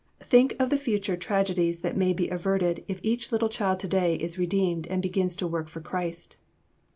Think of the future tragedies that may be averted if each little child today is redeemed and begins to work for Christ.